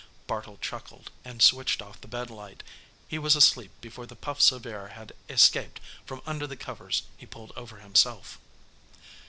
Bartle chuckled and switched off the bed light. He was asleep before the puffs of air had escaped from under the covers he pulled over himself.